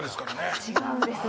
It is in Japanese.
違うんですね。